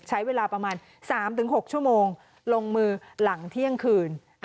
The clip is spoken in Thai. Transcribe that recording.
ใช้เวลาประมาณ๓๖ชั่วโมงลงมือหลังเที่ยงคืน